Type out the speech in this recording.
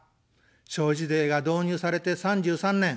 消費税が導入されて３３年。